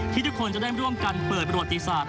ทุกคนจะได้ร่วมกันเปิดประวัติศาสต